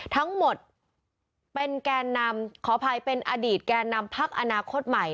ทั้งหมดเป็นแกนนำขออภัยเป็นอดีตแก่นำพักอนาคตใหม่